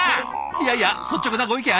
いやいや率直なご意見